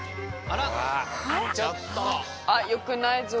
あっよくないぞ。